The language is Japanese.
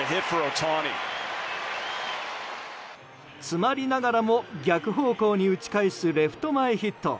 詰まりながらも逆方向に打ち返すレフト前ヒット。